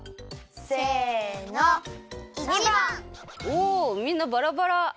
おおみんなバラバラ。